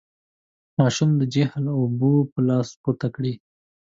ماشوم د جهيل اوبه په لاسونو پورته کړې.